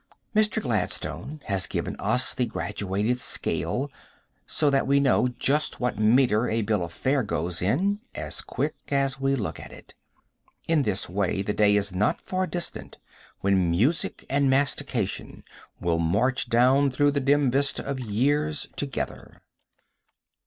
Mr. Gladstone has given us the graduated scale, so that we know just what metre a bill of fare goes in as quick as we look at it. In this way the day is not far distant when music and mastication will march down through the dim vista of years together.